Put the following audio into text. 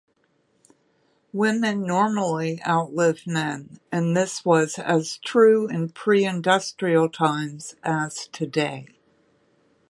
Women normally outlive men, and this was as true in pre-industrial times as today.